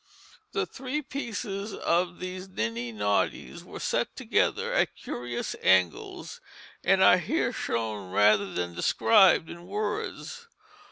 The three pieces of these niddy noddys were set together at curious angles, and are here shown rather than described in words.